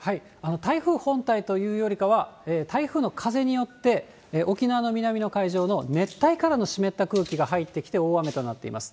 台風本体というよりかは、台風の風によって沖縄の南の海上の熱帯からの湿った空気が入ってきて大雨となっています。